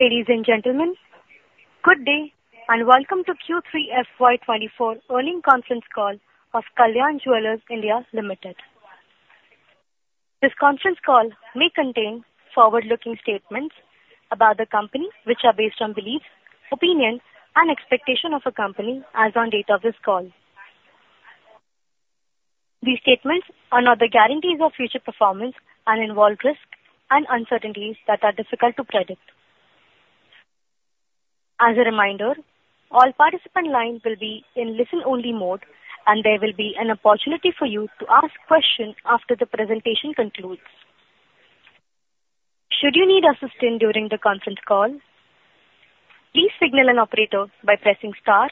Ladies and gentlemen, good day, and welcome to Q3 FY 2024 earnings conference call of Kalyan Jewellers India Limited. This conference call may contain forward-looking statements about the company which are based on beliefs, opinions, and expectations of the company as on date of this call. These statements are not the guarantees of future performance and involve risks and uncertainties that are difficult to predict. As a reminder, all participant lines will be in listen-only mode, and there will be an opportunity for you to ask questions after the presentation concludes. Should you need assistance during the conference call, please signal an operator by pressing star,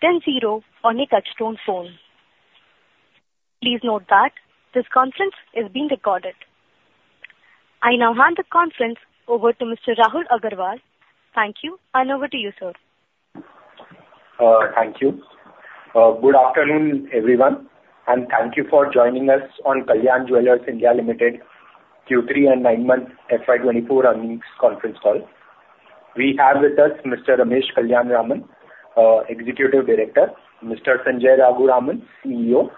then zero on your touchtone phone. Please note that this conference is being recorded. I now hand the conference over to Mr. Rahul Agarwal. Thank you, and over to you, sir. Thank you. Good afternoon, everyone, and thank you for joining us on Kalyan Jewellers India Limited Q3 and Nine-month FY 2024 earnings conference call. We have with us Mr. Ramesh Kalyanaraman, Executive Director, Mr. Sanjay Raghuraman, CEO,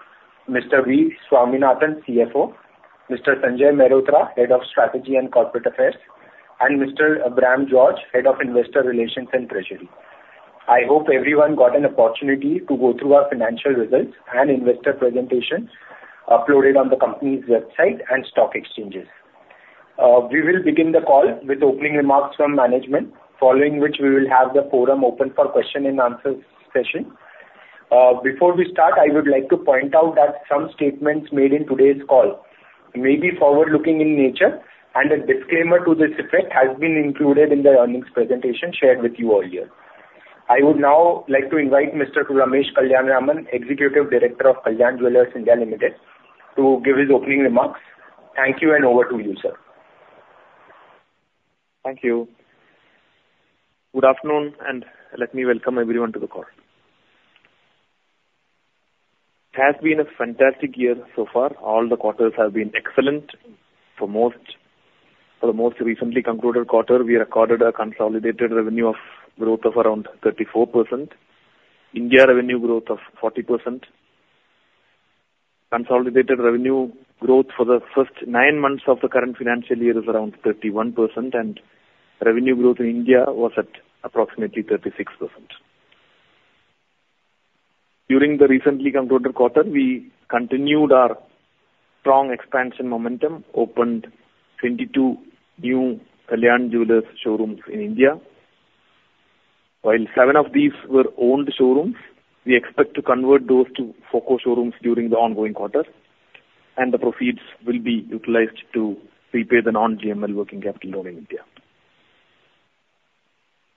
Mr. V. Swaminathan, CFO, Mr. Sanjay Mehrotra, Head of Strategy and Corporate Affairs, and Mr. Abraham George, Head of Investor Relations and Treasury. I hope everyone got an opportunity to go through our financial results and investor presentation uploaded on the company's website and stock exchanges. We will begin the call with opening remarks from management, following which we will have the forum open for question and answer session. Before we start, I would like to point out that some statements made in today's call may be forward-looking in nature, and a disclaimer to this effect has been included in the earnings presentation shared with you earlier. I would now like to invite Mr. Ramesh Kalyanaraman, Executive Director of Kalyan Jewellers India Limited, to give his opening remarks. Thank you, and over to you, sir. Thank you. Good afternoon, and let me welcome everyone to the call. It has been a fantastic year so far. All the quarters have been excellent. For most, for the most recently concluded quarter, we recorded a consolidated revenue growth of around 34%, India revenue growth of 40%. Consolidated revenue growth for the first nine months of the current financial year is around 31%, and revenue growth in India was at approximately 36%. During the recently concluded quarter, we continued our strong expansion momentum, opened 22 new Kalyan Jewellers showrooms in India. While seven of these were owned showrooms, we expect to convert those to FOCO showrooms during the ongoing quarter, and the proceeds will be utilized to repay the non-GML working capital loan in India.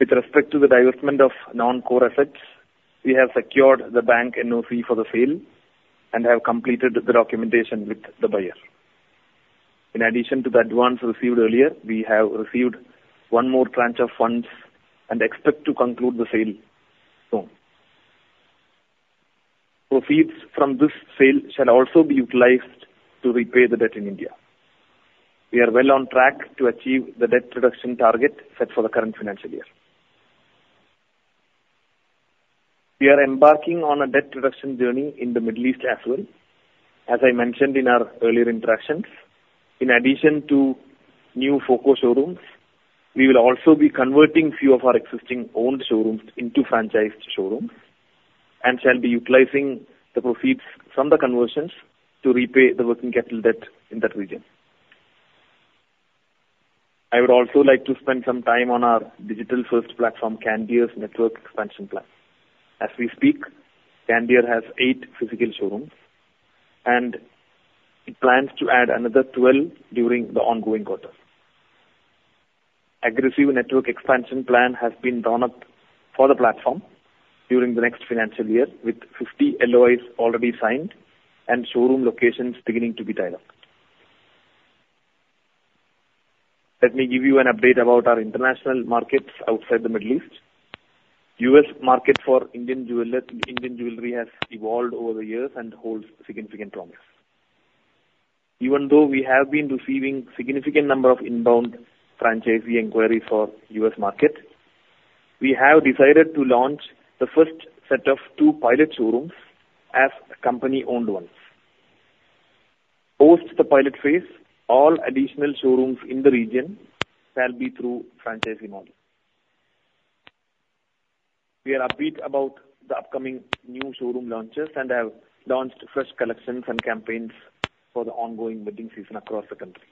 With respect to the divestment of non-core assets, we have secured the bank NOC for the sale and have completed the documentation with the buyer. In addition to the advance received earlier, we have received one more tranche of funds and expect to conclude the sale soon. Proceeds from this sale shall also be utilized to repay the debt in India. We are well on track to achieve the debt reduction target set for the current financial year. We are embarking on a debt reduction journey in the Middle East as well. As I mentioned in our earlier interactions, in addition to new FOCO showrooms, we will also be converting a few of our existing owned showrooms into franchised showrooms and shall be utilizing the proceeds from the conversions to repay the working capital debt in that region. I would also like to spend some time on our digital-first platform, Candere's network expansion plan. As we speak, Candere has 8 physical showrooms, and it plans to add another 12 during the ongoing quarter. Aggressive network expansion plan has been drawn up for the platform during the next financial year, with 50 LOIs already signed and showroom locations beginning to be tied up. Let me give you an update about our international markets outside the Middle East. U.S. market for Indian jewelry has evolved over the years and holds significant promise. Even though we have been receiving significant number of inbound franchisee inquiries for U.S. market, we have decided to launch the first set of two pilot showrooms as company-owned ones. Post the pilot phase, all additional showrooms in the region shall be through franchising model. We are upbeat about the upcoming new showroom launches and have launched fresh collections and campaigns for the ongoing wedding season across the country.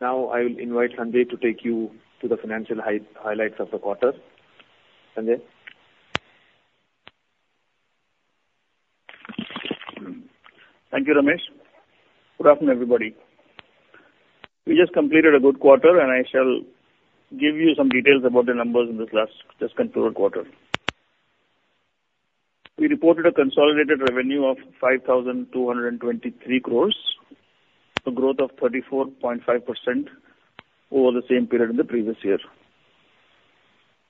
Now I will invite Sanjay to take you to the financial highlights of the quarter. Sanjay? Thank you, Ramesh. Good afternoon, everybody. We just completed a good quarter, and I shall give you some details about the numbers in this last just concluded quarter. We reported a consolidated revenue of 5,223 crore, a growth of 34.5% over the same period in the previous year....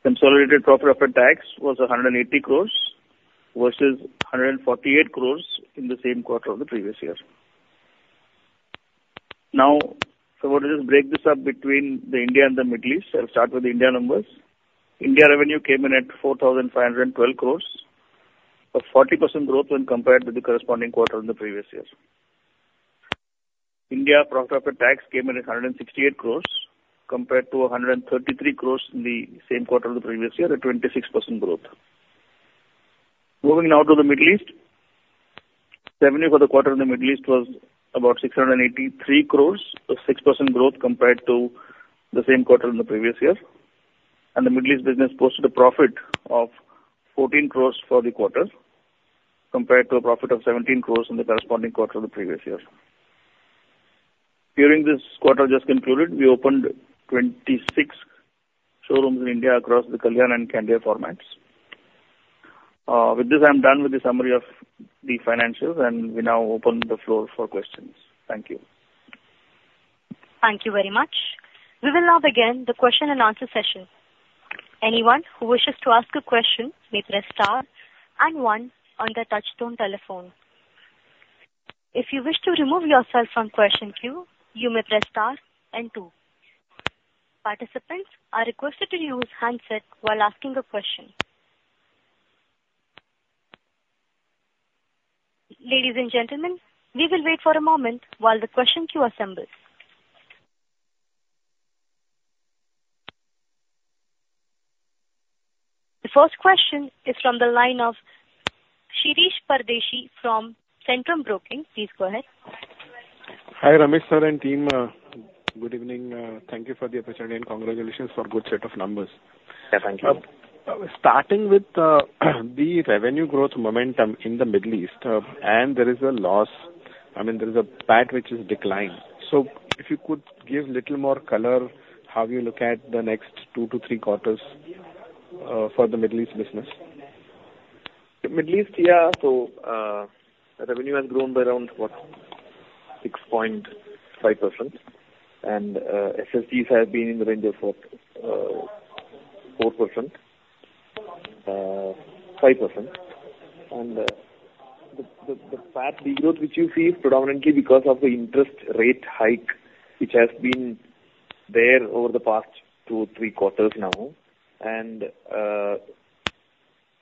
consolidated profit after tax was 180 crore versus 148 crore in the same quarter of the previous year. Now, so I want to just break this up between the India and the Middle East. I'll start with the India numbers. India revenue came in at 4,512 crore, a 40% growth when compared to the corresponding quarter in the previous years. India profit after tax came in at 168 crore, compared to 133 crore in the same quarter of the previous year, a 26% growth. Moving now to the Middle East. Revenue for the quarter in the Middle East was about 683 crore, a 6% growth compared to the same quarter in the previous year. The Middle East business posted a profit of 14 crore for the quarter, compared to a profit of 17 crore in the corresponding quarter of the previous year. During this quarter just concluded, we opened 26 showrooms in India across the Kalyan and Candere formats. With this, I'm done with the summary of the financials, and we now open the floor for questions. Thank you. Thank you very much. We will now begin the question and answer session. Anyone who wishes to ask a question may press star and one on their touchtone telephone. If you wish to remove yourself from question queue, you may press star and two. Participants are requested to use handset while asking a question. Ladies and gentlemen, we will wait for a moment while the question queue assembles. The first question is from the line of Shirish Pardeshi from Centrum Broking. Please go ahead. Hi, Ramesh, sir, and team. Good evening. Thank you for the opportunity, and congratulations for good set of numbers. Yeah, thank you. Starting with the revenue growth momentum in the Middle East, and there is a loss. I mean, there is a PAT which is declined. So if you could give little more color, how you look at the next two to three quarters for the Middle East business? The Middle East, yeah. So, revenue has grown by around, what, 6.5%. And, SSTs have been in the range of, what, 4%-5%. And, the PAT de-growth which you see is predominantly because of the interest rate hike, which has been there over the past two-three quarters now. And,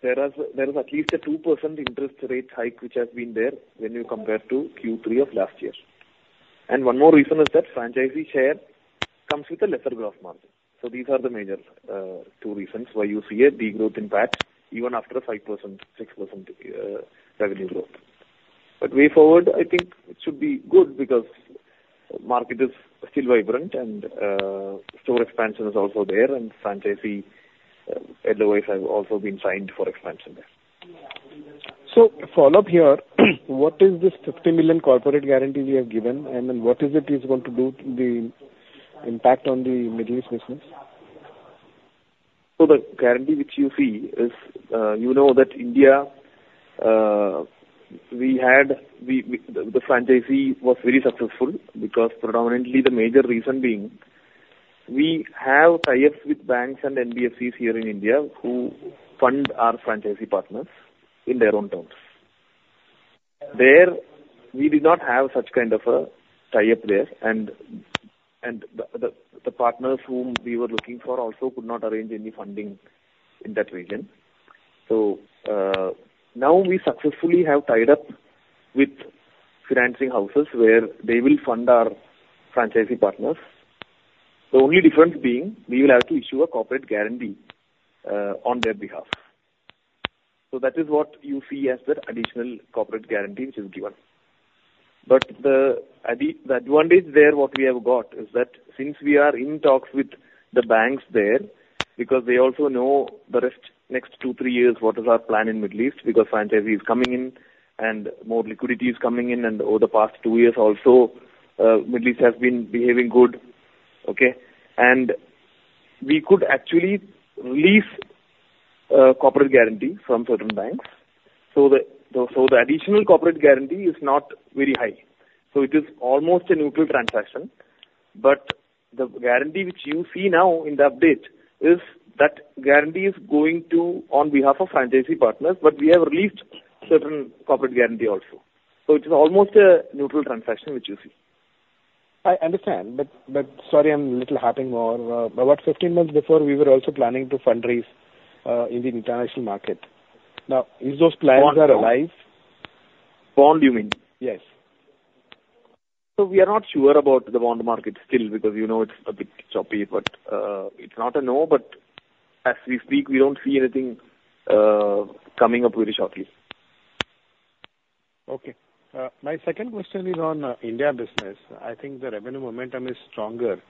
there is at least a 2% interest rate hike, which has been there when you compare to Q3 of last year. And one more reason is that franchisee share comes with a lesser growth margin. So these are the major, two reasons why you see a de-growth in PAT, even after a 5%-6% revenue growth. Way forward, I think it should be good because market is still vibrant and store expansion is also there and franchisee otherwise have also been signed for expansion there. So, follow up here, what is this 50 million corporate guarantee we have given? And then what is it going to do to the impact on the Middle East business? So the guarantee which you see is, you know, that in India, we had. The franchisee was very successful because predominantly the major reason being, we have tie-ups with banks and NBFCs here in India who fund our franchisee partners in their own terms. There, we did not have such kind of a tie up there and the partners whom we were looking for also could not arrange any funding in that region. So, now we successfully have tied up with financing houses, where they will fund our franchisee partners. The only difference being, we will have to issue a corporate guarantee on their behalf. So that is what you see as the additional corporate guarantee which is given. But the advantage there, what we have got is that since we are in talks with the banks there, because they also know the rest, next two-three years, what is our plan in Middle East, because franchisee is coming in and more liquidity is coming in, and over the past two years also, Middle East has been behaving good, okay? And we could actually release Corporate Guarantee from certain banks. So the additional Corporate Guarantee is not very high, so it is almost a neutral transaction. But the guarantee which you see now in the update is that guarantee is going to on behalf of franchisee partners, but we have released certain Corporate Guarantee also. So it is almost a neutral transaction which you see. I understand. But, but sorry, I'm little halting more. About 15 months before we were also planning to fundraise in the international market. Now, is those plans are alive? Bond, you mean? Yes. We are not sure about the bond market still, because, you know, it's a bit choppy, but it's not a no. But as we speak, we don't see anything coming up very shortly. Okay. My second question is on India business. I think the revenue momentum is stronger.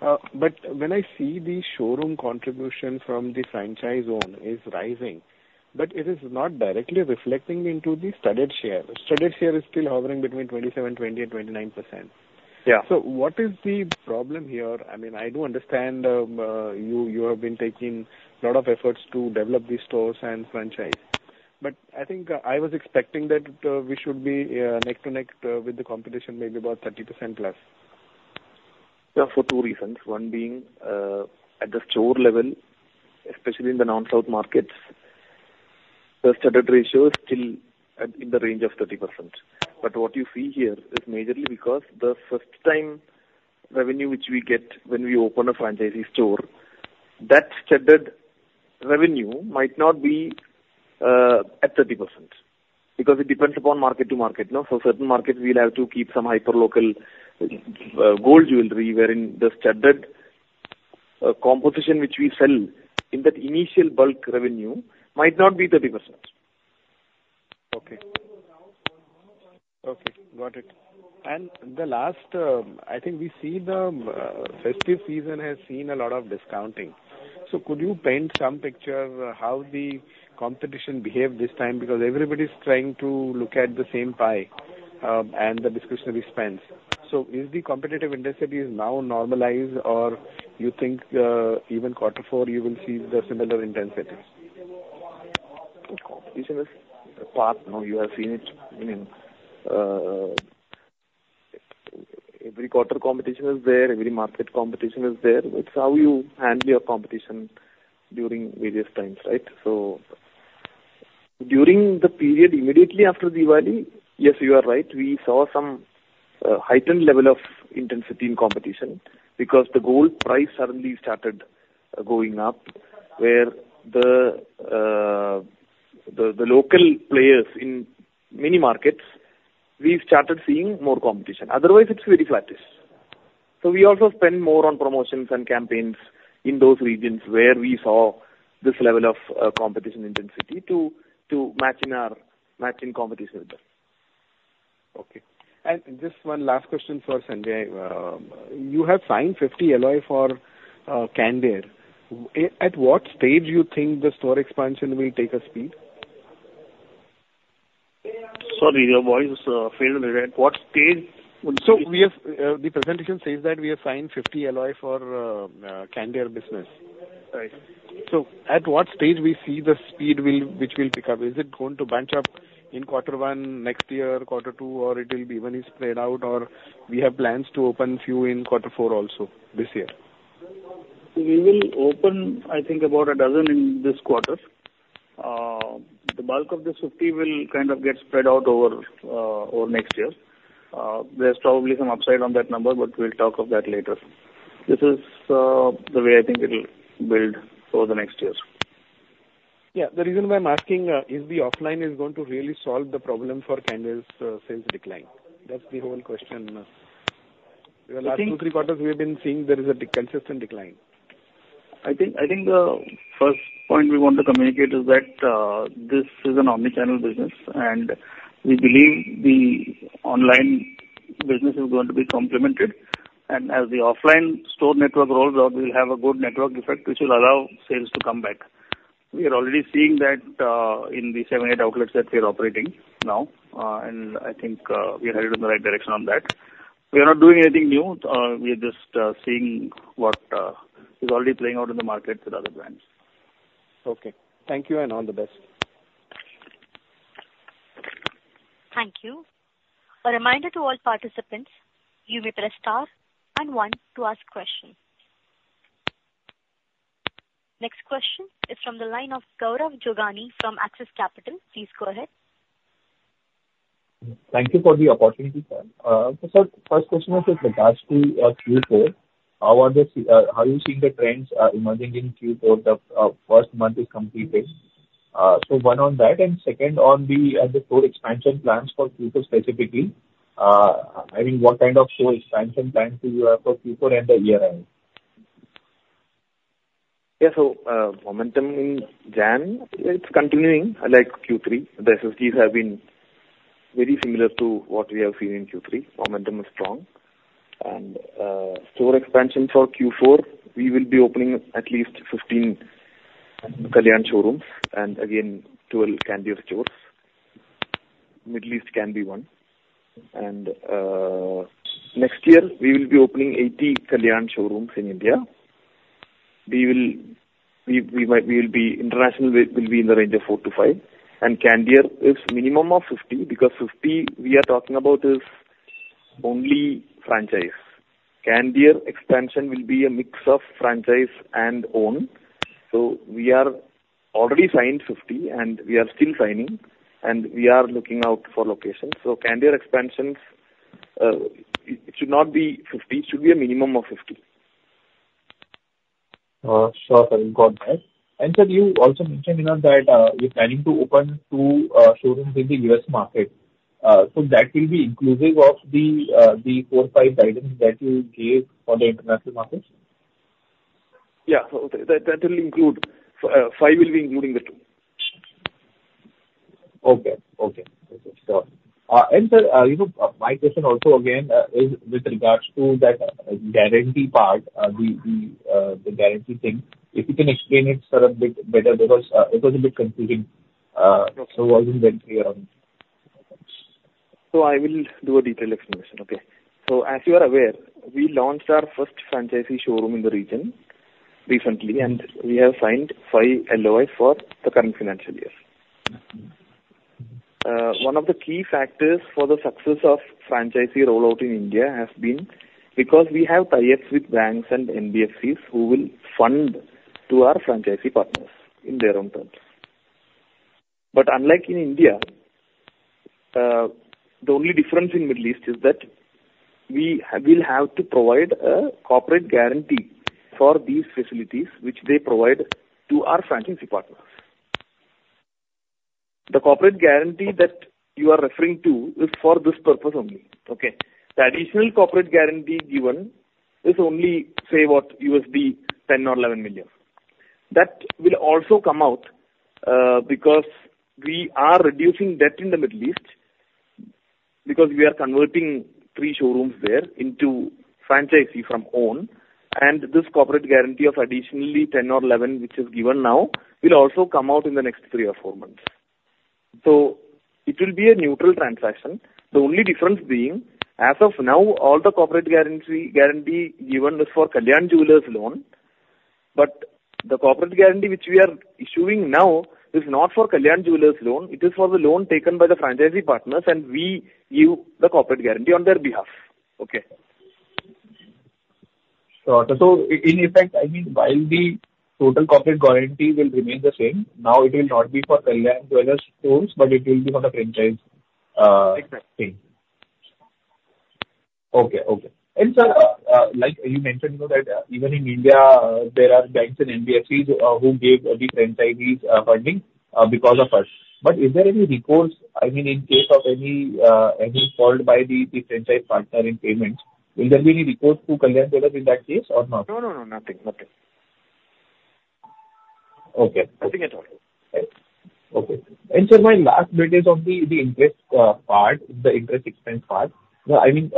But when I see the showroom contribution from the franchise zone is rising, but it is not directly reflecting into the studded share. Studded share is still hovering between 27, 20, and 29%. Yeah. So what is the problem here? I mean, I do understand, you have been taking a lot of efforts to develop these stores and franchise, but I think I was expecting that, we should be, neck to neck, with the competition, maybe about 30%+.... Yeah, for two reasons, one being, at the store level, especially in the non-south markets, the standard ratio is still at, in the range of 30%. But what you see here is majorly because the first time revenue which we get when we open a franchisee store, that standard revenue might not be, at 30%, because it depends upon market to market, no? For certain markets, we'll have to keep some hyperlocal, gold jewelry, wherein the standard, composition which we sell in that initial bulk revenue might not be 30%. Okay. Okay, got it. And the last, I think we see the festive season has seen a lot of discounting. So could you paint some picture how the competition behaved this time? Because everybody's trying to look at the same pie, and the discretionary spends. So is the competitive intensity is now normalized, or you think even quarter four, you will see the similar intensity? Competition is part, now, you have seen it. I mean, every quarter competition is there, every market competition is there. It's how you handle your competition during various times, right? So during the period immediately after Diwali, yes, you are right. We saw some, heightened level of intensity in competition because the gold price suddenly started going up, where the, the local players in many markets, we started seeing more competition. Otherwise, it's very flattish. So we also spend more on promotions and campaigns in those regions where we saw this level of, competition intensity to, match in our, match in competition with them. Okay. Just one last question for Sanjay. You have signed 50 LOI for Candere. At what stage you think the store expansion will take a speed? Sorry, your voice, faded a little. At what stage would- So the presentation says that we have signed 50 LOI for the Candere business. Right. So at what stage we see the speed will, which will pick up? Is it going to bunch up in quarter one next year, quarter two, or it will be evenly spread out, or we have plans to open few in quarter four also this year? We will open, I think, about 12 in this quarter. The bulk of the 50 will kind of get spread out over next year. There's probably some upside on that number, but we'll talk of that later. This is the way I think it'll build over the next years. Yeah. The reason why I'm asking is the offline is going to really solve the problem for Candere's sales decline? That's the whole question. I think- The last two, three quarters, we've been seeing there is a consistent decline. I think, I think the first point we want to communicate is that this is an omni-channel business, and we believe the online business is going to be complemented. And as the offline store network rolls out, we'll have a good network effect, which will allow sales to come back. We are already seeing that in the seven-eight outlets that we are operating now, and I think we are headed in the right direction on that. We are not doing anything new. We are just seeing what is already playing out in the market with other brands. Okay. Thank you and all the best. Thank you. A reminder to all participants, you may press star and one to ask questions. Next question is from the line of Gaurav Jogani from Axis Capital. Please go ahead. Thank you for the opportunity, sir. So sir, first question was with regards to Q4. How are the... How are you seeing the trends emerging in Q4, the first month is completed? So one on that, and second, on the store expansion plans for Q4 specifically, I mean, what kind of store expansion plans do you have for Q4 and the year end? Yeah. So, momentum in January, it's continuing, like Q3. The SSTs have been very similar to what we have seen in Q3. Momentum is strong. And, store expansion for Q4, we will be opening at least 15 Kalyan showrooms and again, 12 Candere stores. Middle East can be one. And, next year we will be opening 80 Kalyan showrooms in India. International will be in the range of four-five, and Candere is minimum of 50, because 50 we are talking about is only franchise. Candere expansion will be a mix of franchise and owned. So we are already signed 50, and we are still signing, and we are looking out for locations. So Candere expansions, it should not be 50, it should be a minimum of 50. Sure, sir. Got that. Sir, you also mentioned in that, you're planning to open two showrooms in the U.S. market. So that will be inclusive of the four-five guidance that you gave for the international markets? Yeah. So that will include, five will be including the two. Okay. Okay. Okay, sure. And sir, you know, my question also, again, is with regards to that guarantee part, the guarantee thing, if you can explain it sort of bit better, because it was a bit confusing. So I wasn't very clear on it. I will do a detailed explanation, okay? As you are aware, we launched our first franchisee showroom in the region recently, and we have signed 5 LOI for the current financial year. One of the key factors for the success of franchisee rollout in India has been because we have tie-ups with banks and NBFCs who will fund to our franchisee partners in their own terms. But unlike in India, the only difference in Middle East is that we, we'll have to provide a corporate guarantee for these facilities which they provide to our franchisee partners. The corporate guarantee that you are referring to is for this purpose only, okay? The additional corporate guarantee given is only, say, what, INR 10 million or 11 million. That will also come out, because we are reducing debt in the Middle East, because we are converting three showrooms there into franchisee from own, and this corporate guarantee of additionally 10 or 11, which is given now, will also come out in the next three or four months. So it will be a neutral transaction. The only difference being, as of now, all the corporate guarantee given is for Kalyan Jewellers loan, but the corporate guarantee which we are issuing now is not for Kalyan Jewellers loan. It is for the loan taken by the franchisee partners, and we give the corporate guarantee on their behalf. Okay. So, in effect, I mean, while the total corporate guarantee will remain the same, now it will not be for Kalyan Jewellers stores, but it will be for the franchise. Exactly. Okay, okay. And, sir, like you mentioned, you know, that even in India, there are banks and NBFCs who gave the franchisees funding because of us. But is there any recourse, I mean, in case of any fault by the franchise partner in payments, will there be any recourse to Kalyan Jewellers in that case or not? No, no, no, nothing, nothing. Okay. I think that's all. Okay. Sir, my last bit is on the interest part, the interest expense part. I mean,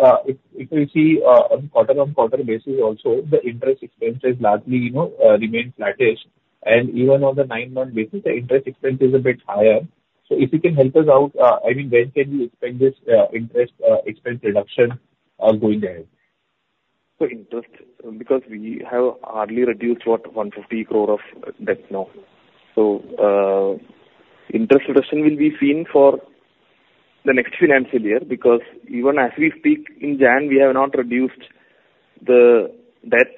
if you see, on quarter-on-quarter basis also, the interest expense has largely, you know, remained flattish. And even on the nine-month basis, the interest expense is a bit higher. So if you can help us out, I mean, when can we expect this interest expense reduction going ahead? So interest, because we have hardly reduced, what? 150 crore of debt now. So, interest reduction will be seen for the next financial year, because even as we speak in January, we have not reduced the debt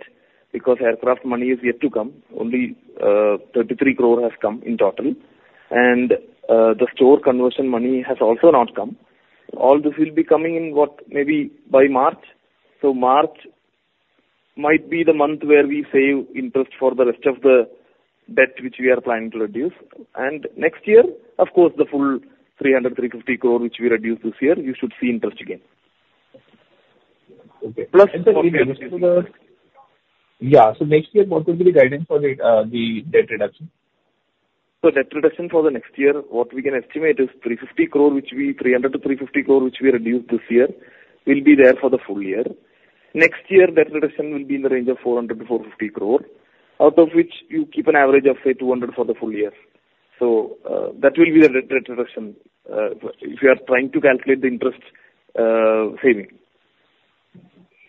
because IPO money is yet to come. Only, 33 crore has come in total, and, the store conversion money has also not come. All this will be coming in, what? Maybe by March. So March might be the month where we save interest for the rest of the debt, which we are planning to reduce. And next year, of course, the full 300 crore-350 crore, which we reduced this year, you should see interest again. Okay. Plus- Yeah. So next year, what will be the guidance for the debt reduction? So debt reduction for the next year, what we can estimate is 350 crore, 300 to 350 crore, which we reduced this year, will be there for the full year. Next year, debt reduction will be in the range of 400 crore-450 crore, out of which you keep an average of, say, 200 crore for the full year. So, that will be the debt reduction, if you are trying to calculate the interest saving.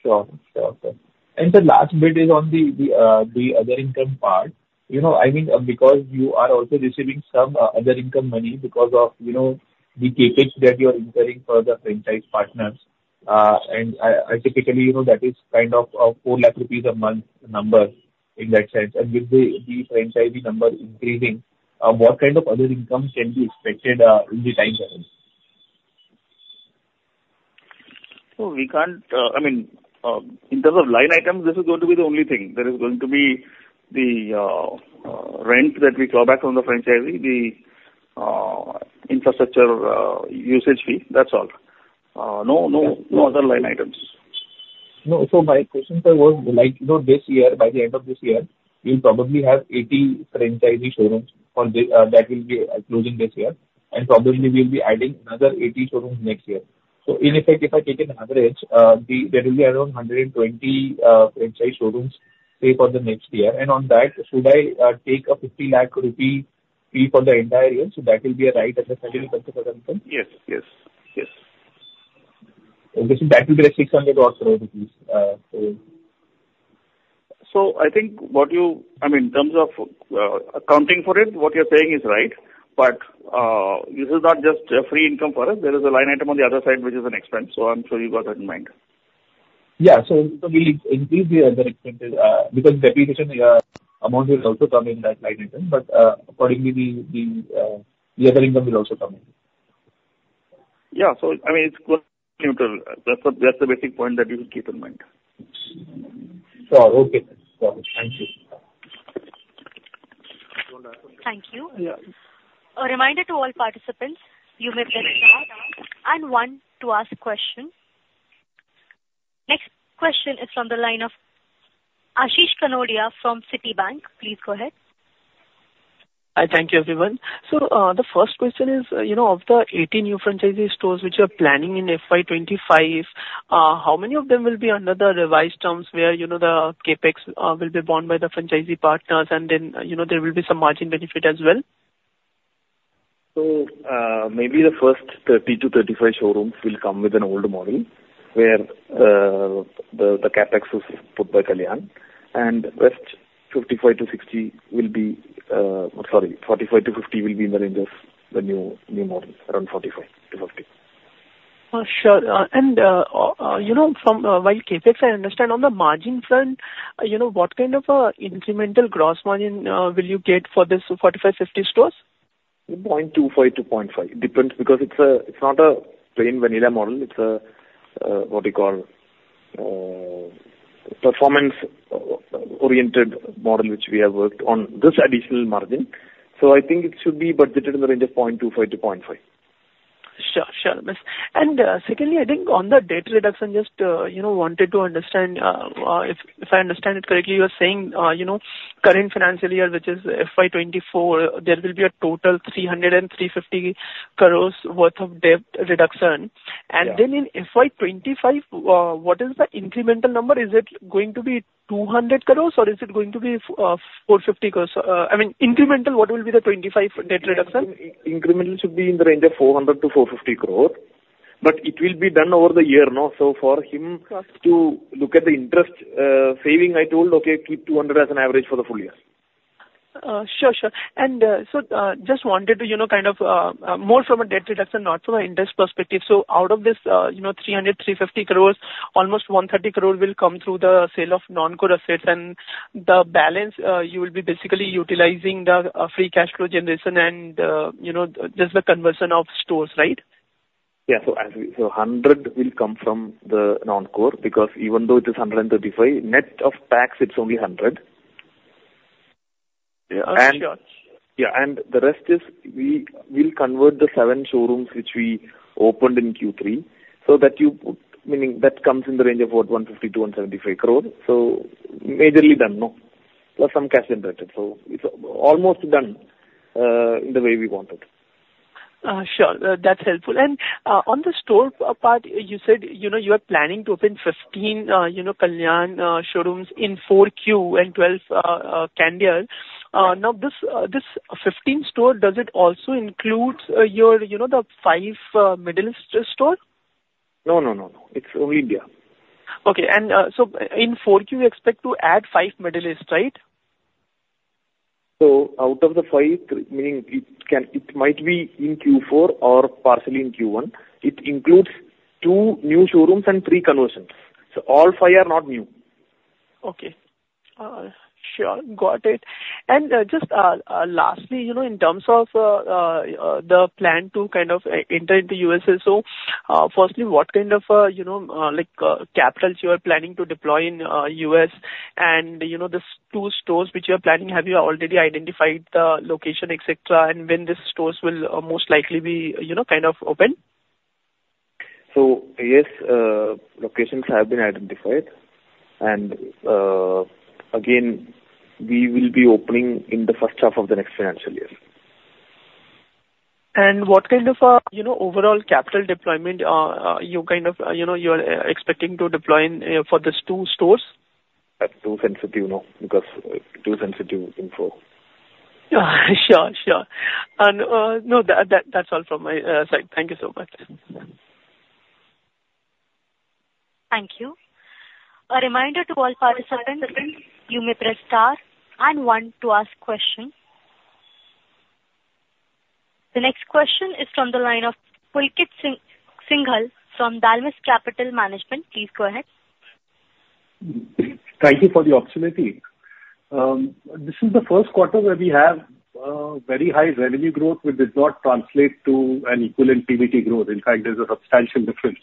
Sure. Sure, sir. And the last bit is on the other income part. You know, I mean, because you are also receiving some other income money because of, you know, the CapEx that you are incurring for the franchise partners. And I typically, you know, that is kind of 4 lakh rupees a month number in that sense. And with the franchisee number increasing, what kind of other income can be expected in the time frame? So we can't. I mean, in terms of line items, this is going to be the only thing. There is going to be the rent that we claw back from the franchisee, the infrastructure usage fee. That's all. No, no, no other line items. No. So my question, sir, was like, you know, this year, by the end of this year, you'll probably have 80 franchisee showrooms for this, that will be closing this year, and probably we'll be adding another 80 showrooms next year. So in effect, if I take an average, there will be around 120 franchise showrooms, say, for the next year. And on that, should I take a 50 lakh rupee fee for the entire year, so that will be a right assessment for the income? Yes, yes, yes. Which, that will be the 600, so. I think what you, I mean, in terms of accounting for it, what you're saying is right, but this is not just a free income for us. There is a line item on the other side, which is an expense, so I'm sure you got that in mind. Yeah. So we increase the other expenses because depreciation amount will also come in that line item, but accordingly, the other income will also come in. Yeah. So I mean, it's quite neutral. That's the basic point that you will keep in mind. Sure. Okay, got it. Thank you. Thank you. A reminder to all participants, you may press star nine and one to ask question. Next question is from the line of Ashish Kanodia from Citibank. Please go ahead. Hi, thank you, everyone. The first question is, you know, of the 80 new franchisee stores which you are planning in FY 2025, how many of them will be under the revised terms, where, you know, the CapEx will be borne by the franchisee partners, and then, you know, there will be some margin benefit as well? Maybe the first 30-35 showrooms will come with an old model, where the CapEx is put by Kalyan, and the rest, 55-60 will be, sorry, 45-50 will be in the range of the new model, around 45-50. Sure. And, you know, while CapEx, I understand on the margin front, you know, what kind of incremental gross margin will you get for this 45-50 stores? 0.25-0.5. Depends, because it's a, it's not a plain vanilla model, it's a, what you call, performance, oriented model, which we have worked on this additional margin. So I think it should be budgeted in the range of 0.25-0.5. Sure, sure. And, secondly, I think on the debt reduction, just, you know, wanted to understand, if, if I understand it correctly, you are saying, you know, current financial year, which is FY 2024, there will be a total 300-350 crores worth of debt reduction. Yeah. Then in FY 2025, what is the incremental number? Is it going to be 200 crore or is it going to be 450 crore? I mean, incremental, what will be the 25 debt reduction? Incremental should be in the range of 400 crore-450 crore, but it will be done over the year, no. So for him- Correct. to look at the interest saving, I told, "Okay, keep 200 as an average for the full year. Sure, sure. So, just wanted to, you know, kind of, more from a debt reduction, not from an interest perspective. So out of this, you know, 300-350 crore, almost 130 crore will come through the sale of non-core assets, and the balance, you will be basically utilizing the, Free Cash Flow generation and, you know, just the conversion of stores, right? Yeah. So 100 will come from the non-core, because even though it is 135, net of tax, it's only 100. Yeah, sure. Yeah, and the rest is we, we'll convert the seven showrooms which we opened in Q3, so that you, meaning, that comes in the range of what? 150 crore-175 crore. So majorly done, no, plus some cash generated. So it's almost done in the way we wanted. Sure. That's helpful. And on the store part, you said, you know, you are planning to open 15, you know, Kalyan showrooms in Q4 and 12 Candere. Now, this 15 store, does it also include, you know, the 5 Middle East store? No, no, no, no. It's only India. Okay. So in Q4, you expect to add five Middle East, right? So out of the five, meaning, it can, it might be in Q4 or partially in Q1. It includes two new showrooms and three conversions. So all five are not new. Okay. Sure. Got it. And, just, lastly, you know, in terms of, the plan to kind of enter into U.S. also, firstly, what kind of, you know, like, capital you are planning to deploy in, U.S.? And, you know, these two stores which you are planning, have you already identified the location, et cetera, and when these stores will most likely be, you know, kind of open? Yes, locations have been identified, and again, we will be opening in the first half of the next financial year. What kind of, you know, overall capital deployment you kind of, you know, you are expecting to deploy in for these two stores? That's too sensitive, no, because too sensitive info. Sure, sure. No, that, that's all from my side. Thank you so much. Thank you. A reminder to all participants, you may press Star and One to ask questions. The next question is from the line of Pulkit Singhal from Dalmus Capital Management. Please go ahead. Thank you for the opportunity. This is the first quarter where we have very high revenue growth, which does not translate to an equivalent PBT growth. In fact, there's a substantial difference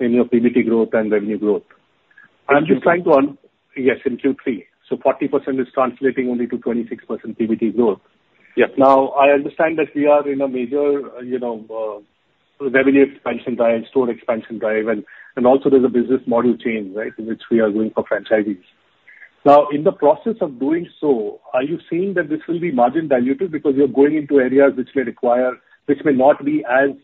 in your PBT growth and revenue growth. Q3. Yes, in Q3. So 40% is translating only to 26% PBT growth. Yes. Now, I understand that we are in a major, you know, revenue expansion drive, store expansion drive, and, and also there's a business model change, right, in which we are going for franchisees. Now, in the process of doing so, are you saying that this will be margin dilutive because you're going into areas which may require, which may not be as,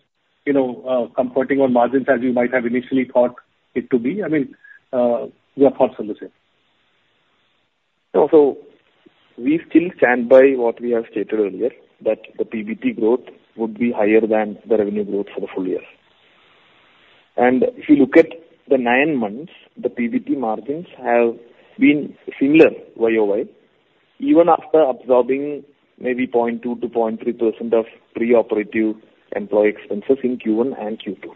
you know, comforting on margins as you might have initially thought it to be? I mean, your thoughts on the same. No. So we still stand by what we have stated earlier, that the PBT growth would be higher than the revenue growth for the full year. If you look at the nine months, the PBT margins have been similar YoY, even after absorbing maybe 0.2%-0.3% of pre-operative employee expenses in Q1 and Q2.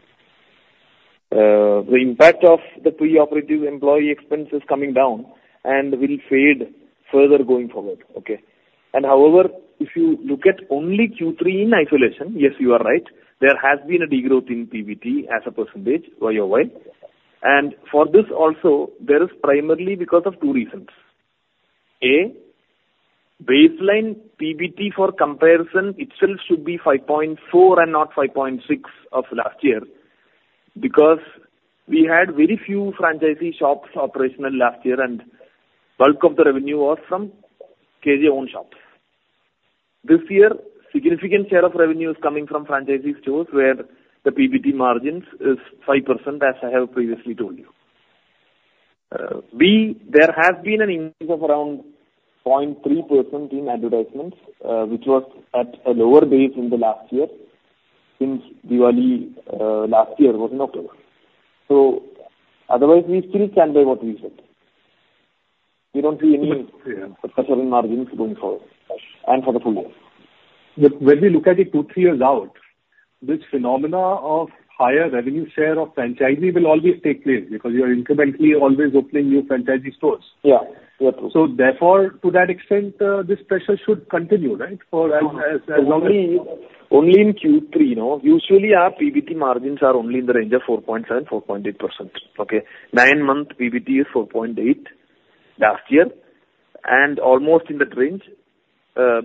The impact of the pre-operative employee expense is coming down and will fade further going forward. Okay? However, if you look at only Q3 in isolation, yes, you are right, there has been a degrowth in PBT as a percentage YoY. And for this also, there is primarily because of two reasons: A, baseline PBT for comparison itself should be 5.4 and not 5.6 of last year, because we had very few franchisee shops operational last year, and bulk of the revenue was from KJ own shops. This year, significant share of revenue is coming from franchisee stores, where the PBT margins is 5%, as I have previously told you. B, there has been an increase of around 0.3% in advertisements, which was at a lower base in the last year, since Diwali, last year was in October. So otherwise, we still stand by what we said. We don't see any pressure on margins going forward and for the full year. When we look at it two-three years out, this phenomenon of higher revenue share of franchisee will always take place because you are incrementally always opening new franchisee stores. Yeah. Yeah, true. So therefore, to that extent, this pressure should continue, right? For as, Only, only in Q3, you know. Usually, our PBT margins are only in the range of 4.7-4.8%. Okay? Nine-month PBT is 4.8 last year, and almost in that range,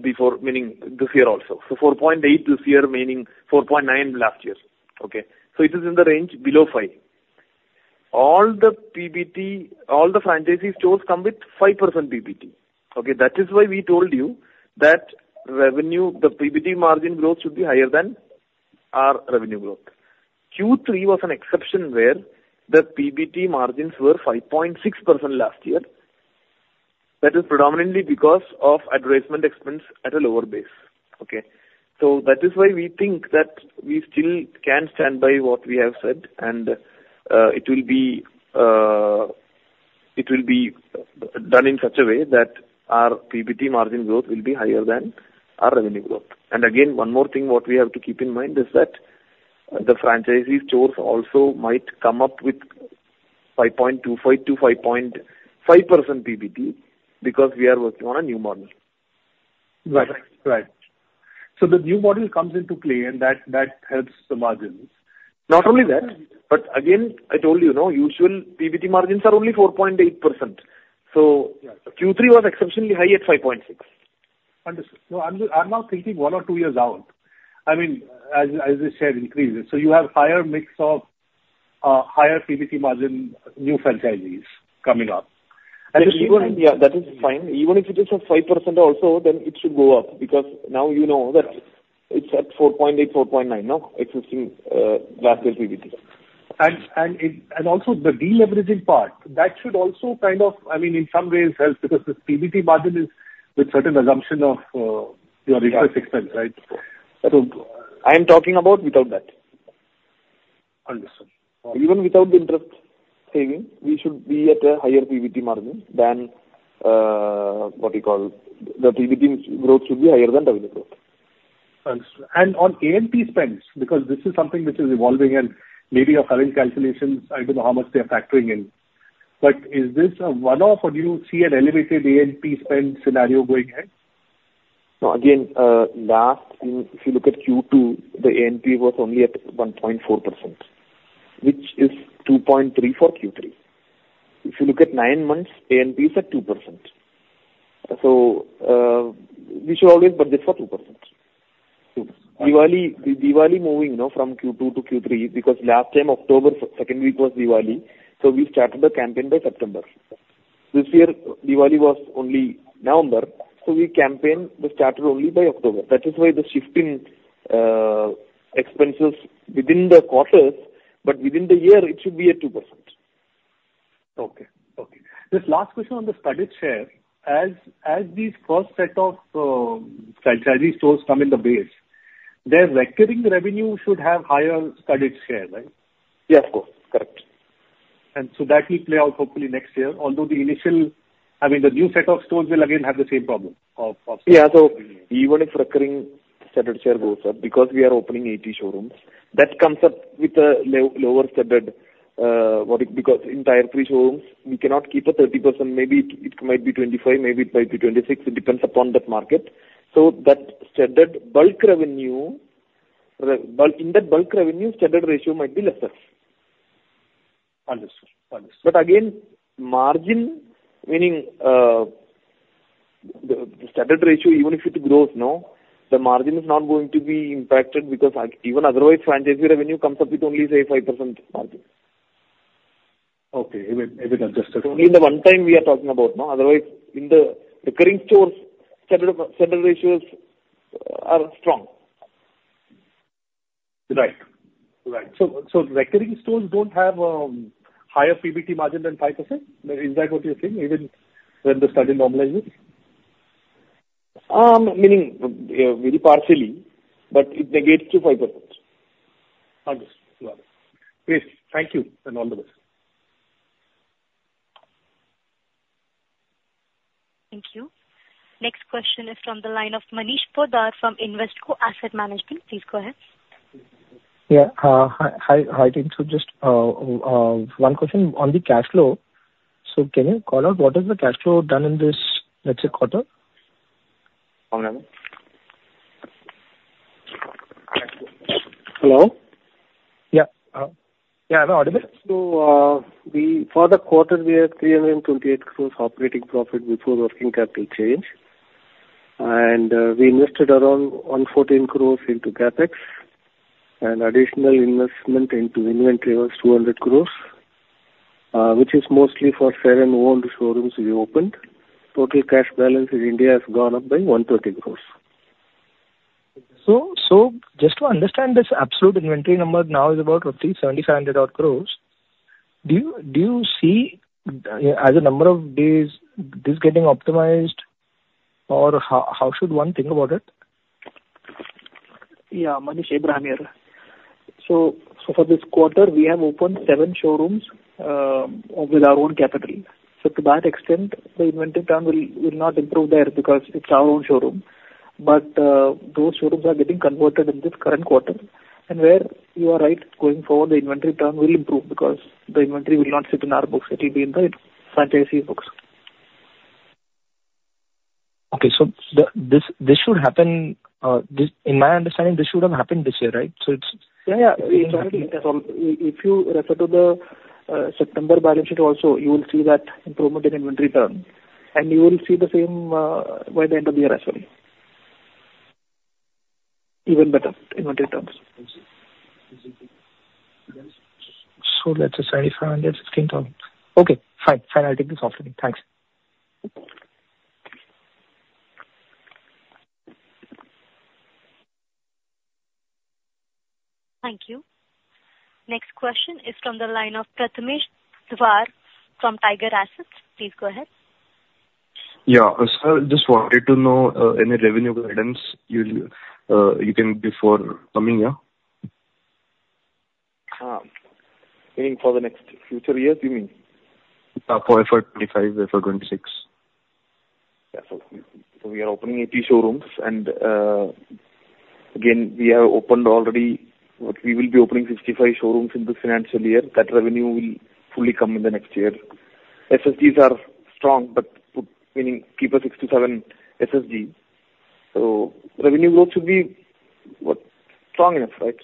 before meaning this year also. So 4.8 this year, meaning 4.9 last year. Okay, so it is in the range below 5%. All the PBT, all the franchisee stores come with 5% PBT, okay? That is why we told you that revenue, the PBT margin growth should be higher than our revenue growth. Q3 was an exception where the PBT margins were 5.6% last year. That is predominantly because of advertisement expense at a lower base, okay? So that is why we think that we still can stand by what we have said, and, it will be, it will be done in such a way that our PBT margin growth will be higher than our revenue growth. And again, one more thing, what we have to keep in mind is that the franchisee stores also might come up with 5.25%-5.5% PBT because we are working on a new model. Right. Right. So the new model comes into play, and that helps the margins. Not only that, but again, I told you, you know, usual PBT margins are only 4.8%. So Q3 was exceptionally high at 5.6%. Understood. No, I'm now thinking one or two years out. I mean, as the share increases. So you have higher mix of higher PBT margin, new franchisees coming up. And even- Yeah, that is fine. Even if it is a 5% also, then it should go up, because now you know that it's at 4.8, 4.9, no? Existing last year's PBT. And also the deleveraging part, that should also kind of, I mean, in some ways help, because the PBT margin is with certain assumption of your interest expense, right? I am talking about without that. Understood. Even without the interest saving, we should be at a higher PBT margin than, what you call, the PBT growth should be higher than revenue growth. Understood. On A&P spends, because this is something which is evolving and maybe your current calculations, I don't know how much they are factoring in, but is this a one-off or do you see an elevated A&P spend scenario going ahead? No, again, last, if you look at Q2, the A&P was only at 1.4%, which is 2.3% for Q3. If you look at nine months, A&P is at 2%. So, we should always budget for 2%. Diwali, Diwali moving, you know, from Q2 to Q3, because last time, October second week was Diwali, so we started the campaign by September. This year, Diwali was only November, so we campaign the started only by October. That is why the shift in expenses within the quarters, but within the year, it should be at 2%. Okay. Okay. This last question on the studded share. As these first set of franchisee stores come in the base, their recurring revenue should have higher studded share, right? Yeah, of course. Correct. And so that will play out hopefully next year, although the initial... I mean, the new set of stores will again have the same problem of, of- Yeah, so even if recurring studded share goes up, because we are opening 80 showrooms, that comes up with a lower studded, because in tier three showrooms, we cannot keep a 30%. Maybe it might be 25, maybe it might be 26. It depends upon that market. So that studded bulk revenue, in that bulk revenue, studded ratio might be lesser. Understood. Understood. But again, margin, meaning, the studded ratio, even if it grows, no, the margin is not going to be impacted because, like, even otherwise, franchisee revenue comes up with only, say, 5% margin. Okay. It will adjust itself. Only in the one time we are talking about, no? Otherwise, in the recurring stores, studded, studded ratios are strong. Right. Right. So, so recurring stores don't have higher PBT margin than 5%? Is that what you're saying, even when the studded normalizes? Meaning very partially, but if they get to 5%. Understood. Got it. Great. Thank you, and all the best. Thank you. Next question is from the line of Manish Poddar from Invesco Asset Management. Please go ahead. Yeah. Hi, hi. Hi, team. So just one question on the cash flow. So can you call out what is the cash flow done in this, let's say, quarter? Hello? Yeah. Yeah, I'm audible. So, for the quarter, we had 328 crores operating profit before working capital change, and we invested around 114 crores into CapEx, and additional investment into inventory was 200 crores, which is mostly for FOCO and COCO showrooms we opened. Total cash balance in India has gone up by 113 crores. Just to understand this absolute inventory number now is about roughly 7,500 crore? Do you see as a number of these this getting optimized, or how should one think about it? Yeah, Manish, Abraham here. So for this quarter, we have opened seven showrooms with our own capital. So to that extent, the inventory term will not improve there because it's our own showroom. But those showrooms are getting converted in this current quarter. And where you are right, going forward, the inventory term will improve because the inventory will not sit in our books, it will be in the franchisee books. Okay. So this should happen, in my understanding, this should have happened this year, right? So it's- Yeah, yeah. It's already. If you refer to the September balance sheet also, you will see that improvement in inventory term, and you will see the same by the end of the year actually. Even better inventory terms. So that's a size, 116,000. Okay, fine. Fine, I'll take this off then. Thanks. Thank you. Next question is from the line of Prathamesh Dwar from Tiger Assets. Please go ahead. Yeah, sir, just wanted to know any revenue guidance you can before coming here? Meaning for the next future years, you mean? for 2025, for 2026. Yeah. So we are opening 80 showrooms and, again, we have opened already. We will be opening 65 showrooms in this financial year. That revenue will fully come in the next year. SSDs are strong, but meaning keep a 6-7 SSD. So revenue growth should be, what? Strong enough, right?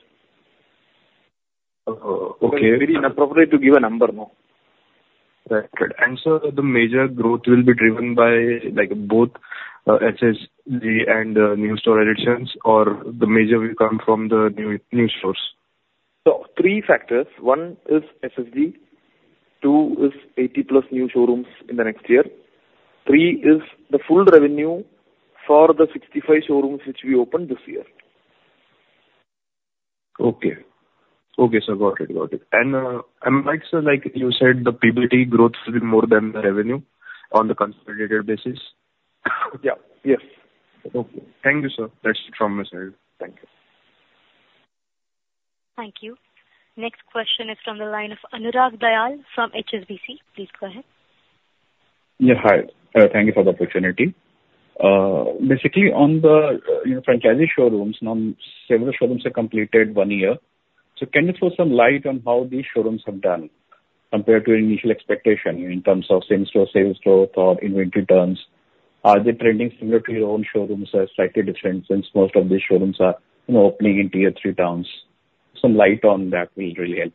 Uh, okay. It's very inappropriate to give a number, no? Right. And so the major growth will be driven by, like, both, SSD and, new store additions, or the major will come from the new, new stores? So three factors. One is SSD, two is 80+ new showrooms in the next year, three is the full revenue for the 65 showrooms which we opened this year. Okay. Okay, sir. Got it, got it. And, am I sir, like you said, the PBT growth will be more than the revenue on the consolidated basis? Yeah. Yes. Okay. Thank you, sir. That's from my side. Thank you. Thank you. Next question is from the line of Anurag Dayal from HSBC. Please go ahead. Yeah, hi. Thank you for the opportunity. Basically, on the franchisee showrooms, now several showrooms have completed one year. So can you throw some light on how these showrooms have done compared to your initial expectation in terms of same-store sales growth or inventory terms? Are they trending similar to your own showrooms or slightly different, since most of these showrooms are, you know, opening in tier three towns? Some light on that will really help.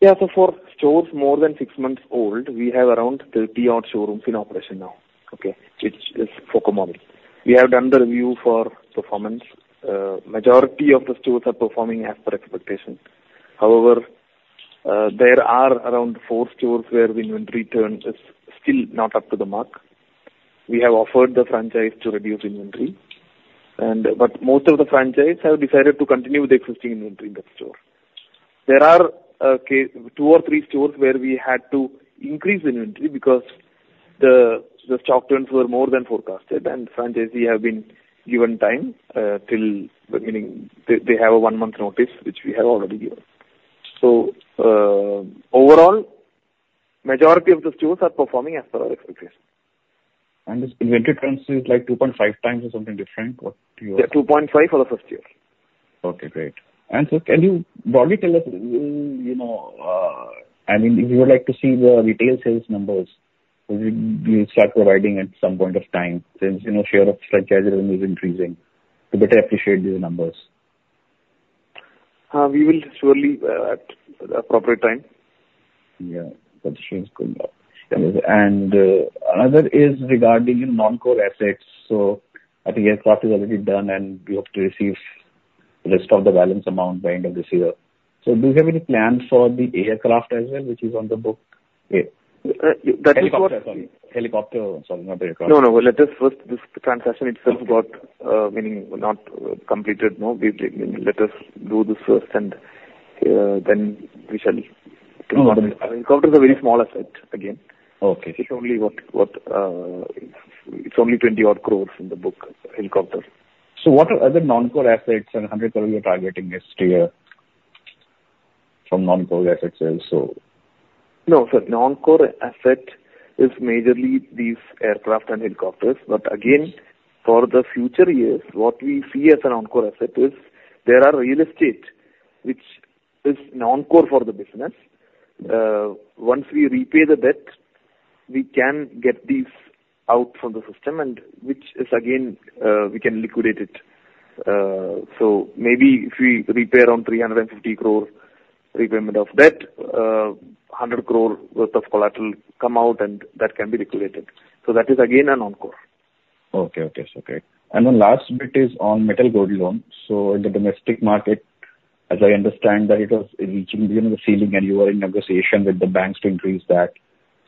Yeah. So for stores more than six months old, we have around 30 odd showrooms in operation now, okay? Which is FOCO model. We have done the review for performance. Majority of the stores are performing as per expectation. However, there are around four stores where the inventory terms is still not up to the mark. We have offered the franchisee to reduce inventory, and but most of the franchisee have decided to continue with the existing inventory in that store. There are, two or three stores where we had to increase inventory because the stock turns were more than forecasted, and franchisee have been given time, till the beginning... They have a one-month notice, which we have already given. So, overall, majority of the stores are performing as per our expectation. This inventory turns is like 2.5 times or something different? What you are- Yeah, 2.5 for the first year. Okay, great. So can you broadly tell us, you know, I mean, we would like to see the retail sales numbers. Will you start providing at some point of time since, you know, share of franchise revenue is increasing, to better appreciate these numbers? We will surely at the appropriate time. Yeah, that seems good. Yeah. Another is regarding your non-core assets. So I think aircraft is already done, and we hope to receive the rest of the balance amount by end of this year. So do you have any plans for the aircraft as well, which is on the book? That is what- Helicopter, sorry. Helicopter, sorry, not the aircraft. No, no, let us first. This transaction itself got meaning not completed, no? Let us do this first, and then we shall... Helicopter is a very small asset, again. Okay. It's only worth what, it's only 20-odd crore in the book, helicopter. What are other non-core assets and how much are we targeting this year from non-core assets also? No, so non-core asset is majorly these aircraft and helicopters. But again, for the future years, what we see as a non-core asset is there are real estate, which is non-core for the business. Once we repay the debt, we can get these out from the system and which is again, we can liquidate it. So maybe if we repay around 350 crore repayment of debt, hundred crore worth of collateral come out, and that can be liquidated. So that is again a non-core. Okay. Okay, okay. And the last bit is on gold metal loan. So in the domestic market, as I understand that it was reaching the end of the ceiling, and you were in negotiation with the banks to increase that.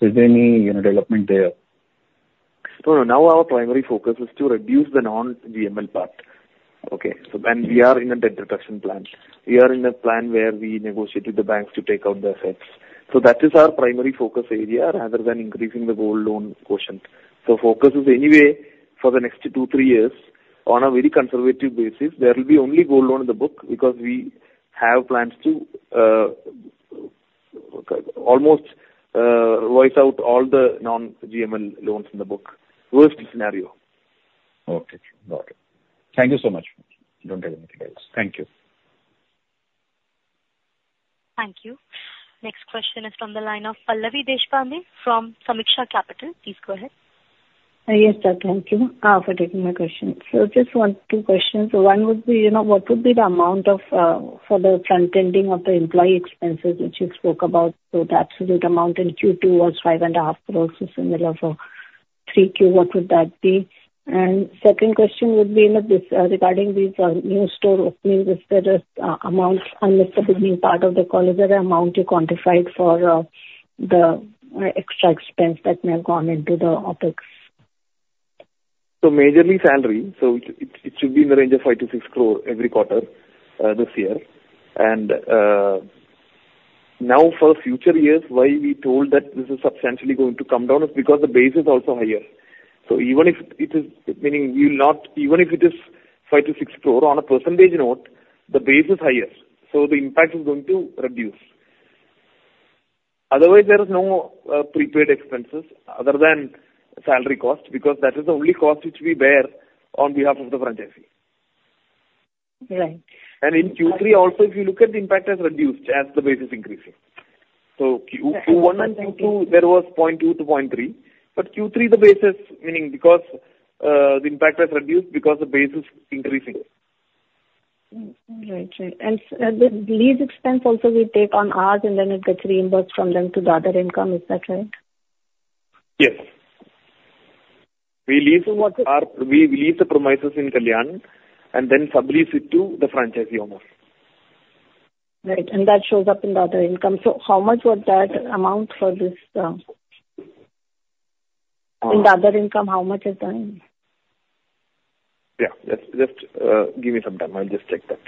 So is there any, you know, development there?... So now our primary focus is to reduce the non-GML part. Okay? So then we are in a debt reduction plan. We are in a plan where we negotiated the banks to take out the assets. So that is our primary focus area, rather than increasing the gold loan quotient. So focus is anyway, for the next two-three years, on a very conservative basis, there will be only gold loan in the book, because we have plans to almost wipe out all the non-GML loans in the book. Worst scenario. Okay. Got it. Thank you so much. Don't have anything else. Thank you. Thank you. Next question is from the line of Pallavi Deshpande from Sameeksha Capital. Please go ahead. Yes, sir. Thank you for taking my question. So just one, two questions. So one would be, you know, what would be the amount of for the front-ending of the employee expenses, which you spoke about? So the absolute amount in Q2 was 5.5 crore, similar for Q3, what would that be? And second question would be, you know, this regarding these new store openings, if there is amounts unlisted being part of the collateral amount you quantified for the extra expense that may have gone into the OpEx. So majorly salary, so it, it should be in the range of 5 crore-6 crore every quarter, this year. And, now, for future years, why we told that this is substantially going to come down is because the base is also higher. So even if it is... Meaning, we will not-- Even if it is 5 crore-6 crore, on a percentage note, the base is higher, so the impact is going to reduce. Otherwise, there is no, prepaid expenses other than salary cost, because that is the only cost which we bear on behalf of the franchisee. Right. In Q3 also, if you look at the impact, has reduced as the base is increasing. Q1 and Q2, there was 0.2-0.3, but Q3, the base is winning because the impact has reduced because the base is increasing. Mm. Right. Right. And, the lease expense also will take on ours, and then it gets reimbursed from them to the other income, is that right? Yes. We lease them. We lease the premises in Kalyan and then sublease it to the franchisee owners. Right, and that shows up in the other income. So how much would that amount for this? In the other income, how much is that? Yeah. Just give me some time, I'll just check that.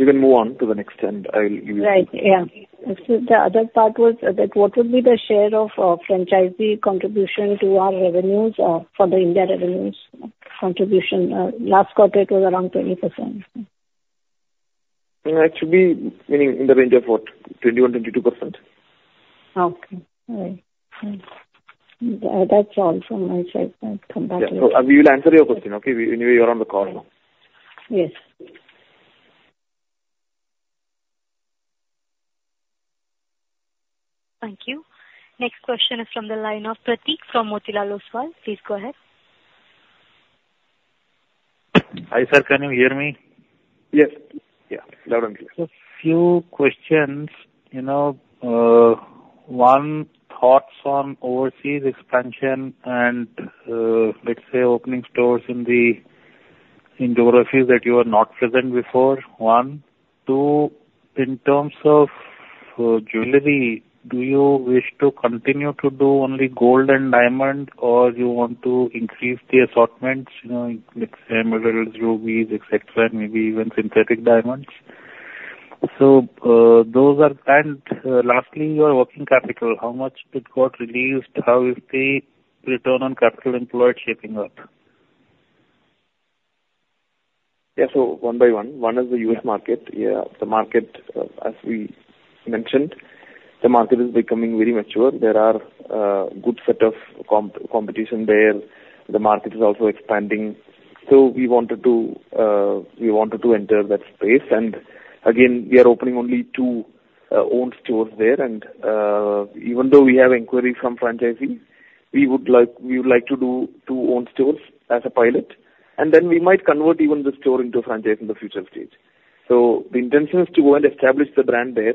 You can move on to the next, and I'll give you- Right. Yeah. The other part was that what would be the share of franchisee contribution to our revenues for the India revenues contribution? Last quarter, it was around 20%. It should be winning in the range of what? 21%-22%. Okay. All right. That's all from my side. I'll come back. Yeah. So we will answer your question, okay? We, you're on the call now. Yes. Thank you. Next question is from the line of Pratik from Motilal Oswal. Please go ahead. Hi, sir, can you hear me? Yes. Yeah, loud and clear. So a few questions, you know, one, thoughts on overseas expansion and, let's say, opening stores in the, in geographies that you are not present before, one. Two, in terms of, jewelry, do you wish to continue to do only gold and diamond, or you want to increase the assortments, you know, let's say, emeralds, rubies, et cetera, and maybe even synthetic diamonds? So, those are... And, lastly, your working capital, how much it got released? How is the return on capital employed shaping up? Yeah. So one by one. One is the U.S. market. Yeah, the market, as we mentioned, the market is becoming very mature. There are, good set of competition there. The market is also expanding. So we wanted to, we wanted to enter that space. And again, we are opening only two own stores there. And, even though we have inquiries from franchising, we would like, we would like to do two own stores as a pilot, and then we might convert even the store into a franchise in the future stage. So the intention is to go and establish the brand there,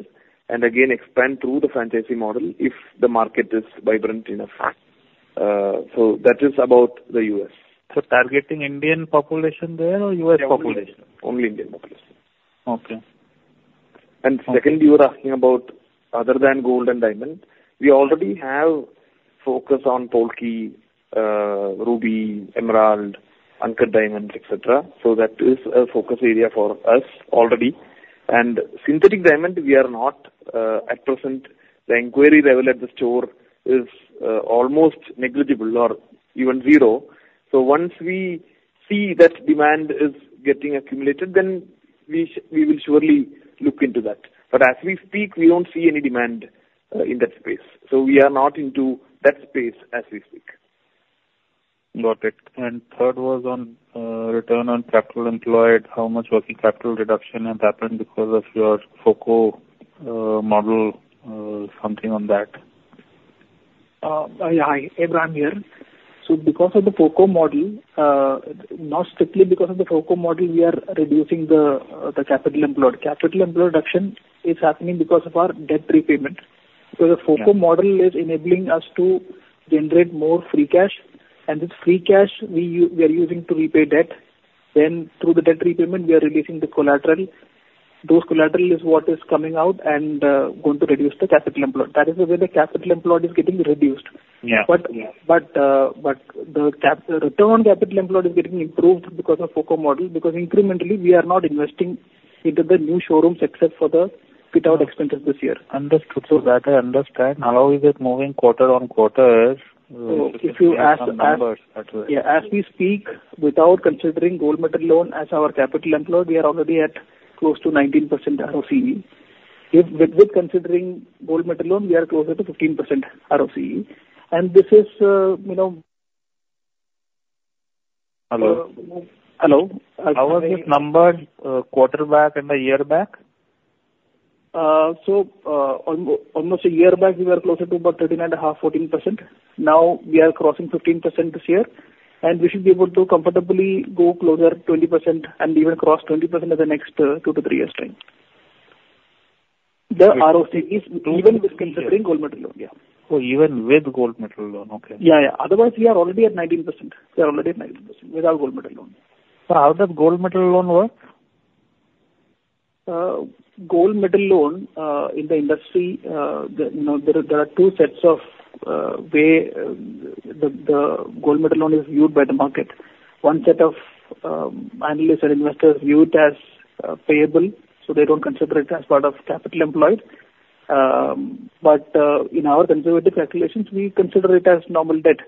and again, expand through the franchisee model if the market is vibrant enough. So that is about the U.S. Targeting Indian population there or U.S. population? Only Indian population. Okay. And second, you were asking about other than gold and diamond. We already have focus on Polki, ruby, emerald, uncut diamonds, et cetera. So that is a focus area for us already. And synthetic diamond, we are not, at present. The inquiry level at the store is, almost negligible or even zero. So once we see that demand is getting accumulated, then we will surely look into that. But as we speak, we don't see any demand, in that space, so we are not into that space as we speak. Got it. Third was on return on capital employed, how much working capital reduction has happened because of your FOCO model, something on that? Yeah. Hi, Abraham here. So because of the FOCO model, not strictly because of the FOCO model, we are reducing the, the capital employed. Capital employed reduction is happening because of our debt repayment. Yeah. So the FOCO model is enabling us to generate more free cash, and this free cash we are using to repay debt. Then through the debt repayment, we are releasing the collateral.... Those collateral is what is coming out and going to reduce the capital employed. That is the way the capital employed is getting reduced. Yeah, yeah. But the return on capital employed is getting improved because of the FOCO model, because incrementally, we are not investing into the new showrooms except for the fit-out expenses this year. Understood. So that I understand, how is it moving quarter-on-quarter is- If you ask the- Some numbers, that's it. Yeah. As we speak, without considering gold metal loan as our capital employed, we are already at close to 19% ROCE. If, with, considering gold metal loan, we are closer to 15% ROCE. And this is, you know- Hello? Hello. How was this number, quarter back and a year back? So, almost a year back, we were closer to about 13.5-14%. Now we are crossing 15% this year, and we should be able to comfortably go closer to 20% and even cross 20% in the next two-three years' time. The ROCE is even with considering gold metal loan. Yeah. Oh, even with Gold Metal Loan. Okay. Yeah, yeah. Otherwise, we are already at 19%. We are already at 19% without gold metal loan. How does Gold Metal Loan work? Gold Metal Loan, in the industry, you know, there are two sets of ways the Gold Metal Loan is viewed by the market. One set of analysts and investors view it as payable, so they don't consider it as part of capital employed. But in our conservative calculations, we consider it as normal debt,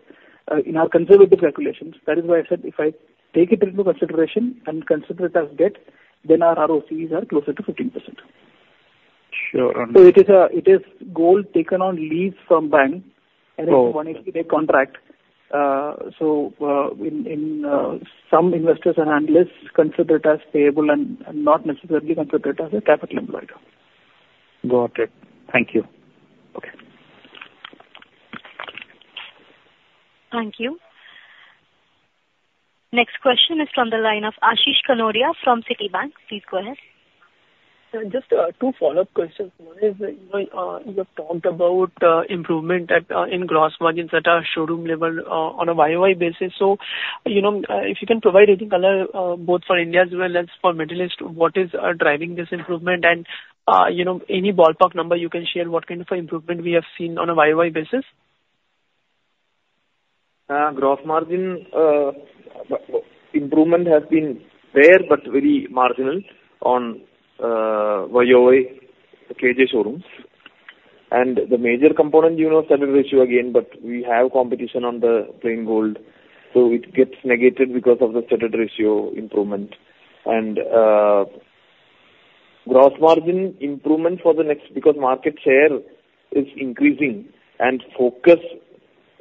in our conservative calculations. That is why I said if I take it into consideration and consider it as debt, then our ROCEs are closer to 15%. Sure, under- So it is gold taken on lease from bank- Oh. And it's one is a contract. So, some investors and analysts consider it as payable and not necessarily consider it as a capital employed. Got it. Thank you. Okay. Thank you. Next question is from the line of Ashish Kanodia from Citibank. Please go ahead. Just two follow-up questions. One is, you know, you have talked about improvement in gross margins at our showroom level, on a YoY basis. So, you know, if you can provide any color, both for India as well as for Middle East, what is driving this improvement? And, you know, any ballpark number you can share, what kind of improvement we have seen on a YoY basis? Gross margin improvement has been there, but very marginal on YoY, the KJ showrooms. The major component, you know, studded ratio again, but we have competition on the plain gold, so it gets negated because of the studded ratio improvement. Gross margin improvement for the next, because market share is increasing and focus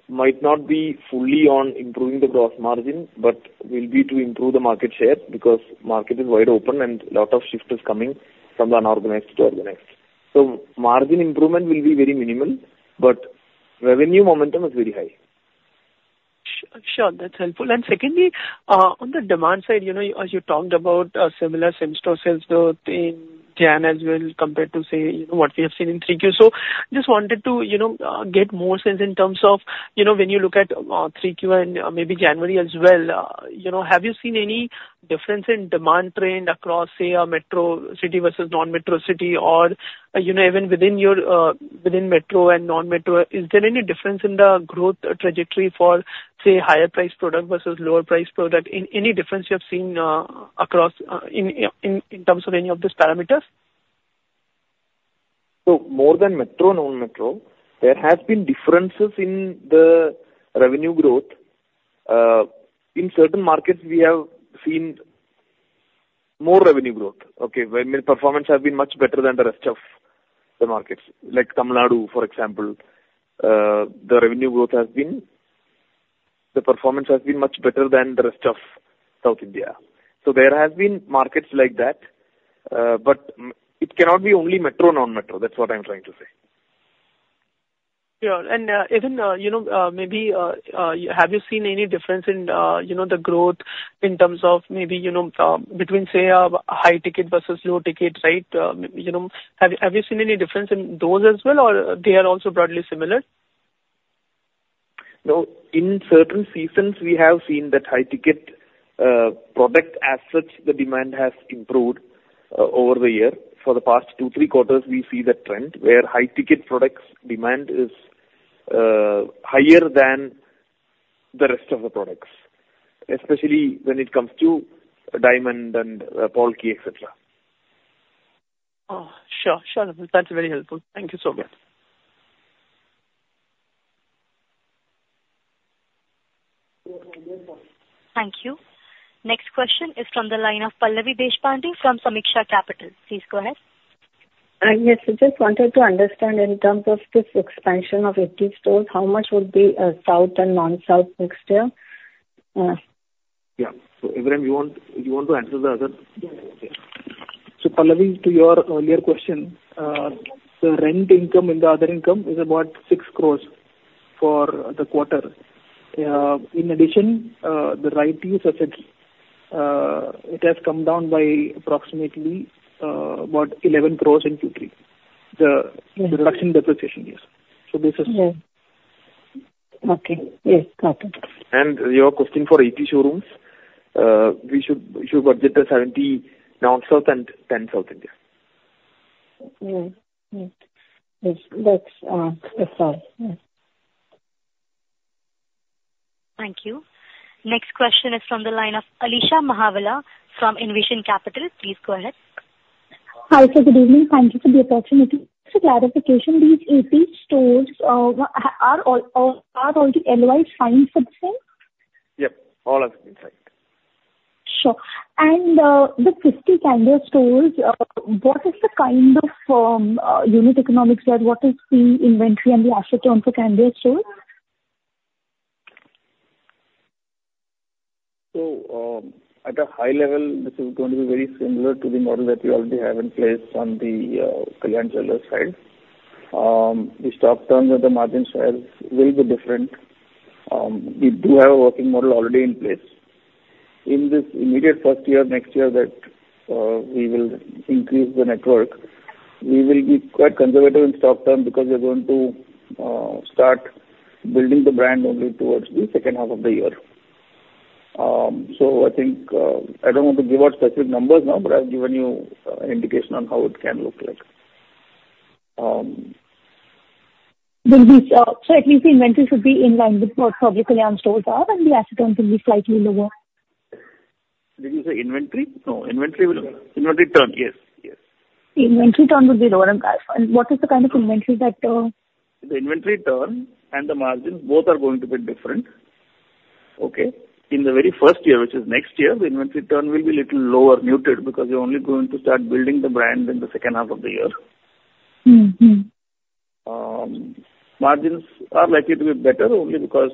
might not be fully on improving the gross margin, but will be to improve the market share, because market is wide open and lot of shift is coming from unorganized to organized. So margin improvement will be very minimal, but revenue momentum is very high. Sure, that's helpful. Secondly, on the demand side, you know, as you talked about a similar same-store sales growth in January as well, compared to, say, you know, what we have seen in 3Q. So just wanted to, you know, get more sense in terms of, you know, when you look at 3Q and maybe January as well, you know, have you seen any difference in demand trend across, say, a metro city versus non-metro city or, you know, even within your within metro and non-metro, is there any difference in the growth trajectory for, say, higher priced product versus lower priced product? Any difference you have seen across in terms of any of these parameters? So more than metro, non-metro, there has been differences in the revenue growth. In certain markets, we have seen more revenue growth, okay, where performance have been much better than the rest of the markets. Like Tamil Nadu, for example, the revenue growth has been... The performance has been much better than the rest of South India. So there has been markets like that, but it cannot be only metro, non-metro. That's what I'm trying to say. Sure. And, even, you know, maybe, have you seen any difference in, you know, the growth in terms of maybe, you know, between, say, a high ticket versus low ticket, right? You know, have you seen any difference in those as well, or they are also broadly similar? No, in certain seasons we have seen that high ticket, product as such, the demand has improved, over the year. For the past two, three quarters, we see the trend, where high ticket products demand is, higher than the rest of the products, especially when it comes to diamond and Polki, et cetera. Oh, sure, sure. That's very helpful. Thank you so much. Thank you. Next question is from the line of Pallavi Deshpande from Sameeksha Capital. Please go ahead. Yes. I just wanted to understand in terms of this expansion of 80 stores, how much would be, south and non-south next year? Yeah. So, Abraham, you want, you want to answer the other? Yeah. Okay. So, Pallavi, to your earlier question, the rent income and the other income is about 6 crore for the quarter. In addition, the right-to-use assets, it has come down by approximately, about 11 crore in Q3. The- Mm-hmm. The reduction depreciation, yes. So this is- Yeah.... Okay. Yes, got it. Your question for 80 showrooms, we should budget 70 Non-South and 10 South India. Mm-hmm. Yes, that's clear. Yes. Thank you. Next question is from the line of Alisha Mahawla from Envision Capital. Please go ahead. Hi, sir, good evening. Thank you for the opportunity. For clarification, these 80 stores are all already NOC signed for the same? Yep, all have been signed. Sure. And, the 50 Candere stores, what is the kind of unit economics there? What is the inventory and the asset turn for Candere stores? So, at a high level, this is going to be very similar to the model that we already have in place on the, Kalyan Jewellers side stock terms and the margin sides will be different. We do have a working model already in place. In this immediate first year, next year, that, we will increase the network, we will be quite conservative in stock term because we are going to, start building the brand only towards the second half of the year. So I think, I don't want to give out specific numbers now, but I've given you, an indication on how it can look like. Will be, so at least the inventory should be in line with what how the Kalyan stores are, and the asset turn will be slightly lower? Did you say inventory? No, inventory will... Inventory turn, yes, yes. Inventory turn would be lower than that. What is the kind of inventory that? The inventory turn and the margins, both are going to be different. Okay? In the very first year, which is next year, the inventory turn will be little lower, muted, because we're only going to start building the brand in the second half of the year. Mm-hmm. Margins are likely to be better only because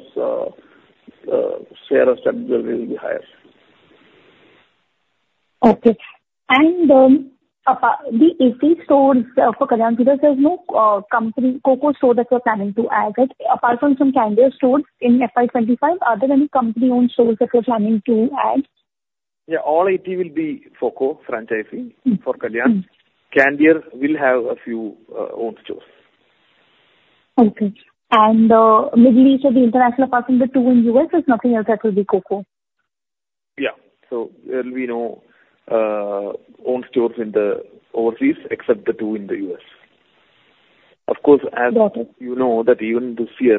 share of stock will be higher. Okay. And the 80 stores for Kalyan Jewellers, there's no company COCO store that you're planning to add, right? Apart from some Candere stores in FY 2025, are there any company-owned stores that you're planning to add? Yeah, all 80 will be FOCO franchising- Mm. -for Kalyan. Mm. Candere will have a few owned stores. Okay. Middle East or the international, apart from the two in U.S., there's nothing else that will be COCO? Yeah. So there'll be no owned stores in the overseas, except the two in the U.S. Of course, as- Got it. You know that even this year,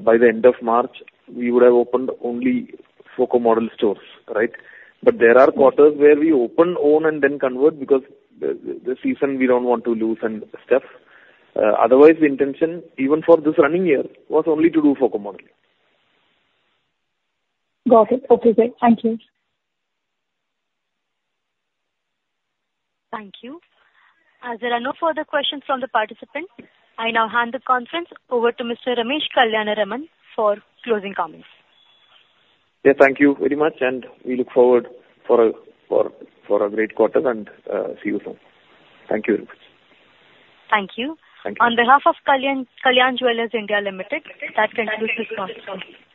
by the end of March, we would have opened only FOCO model stores, right? But there are quarters where we open own and then convert because the season we don't want to lose and stuff. Otherwise, the intention, even for this running year, was only to do FOCO model. Got it. Okay, great. Thank you. Thank you. As there are no further questions from the participants, I now hand the conference over to Mr. Ramesh Kalyanaraman for closing comments. Yeah, thank you very much, and we look forward for a great quarter and see you soon. Thank you very much. Thank you. Thank you. On behalf of Kalyan, Kalyan Jewellers India Limited, that concludes this conference call.